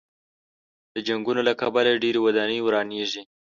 د جنګونو له کبله ډېرې ودانۍ ورانېږي.